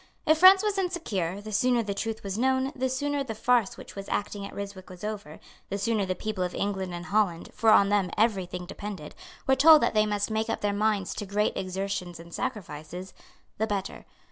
If France was insecure, the sooner the truth was known, the sooner the farce which was acting at Ryswick was over, the sooner the people of England and Holland, for on them every thing depended, were told that they must make up their minds to great exertions and sacrifices, the better.